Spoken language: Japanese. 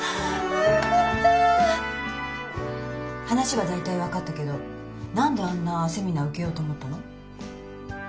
話は大体分かったけど何であんなセミナー受けようと思ったの？